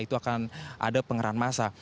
itu akan ada pengerahan masa